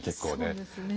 そうですね。